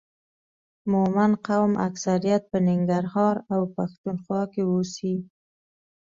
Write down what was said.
مومند قوم اکثریت په ننګرهار او پښتون خوا کې اوسي